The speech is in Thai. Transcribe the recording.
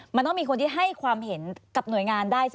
มันต้องมีคนที่ให้ความเห็นกับหน่วยงานได้สิ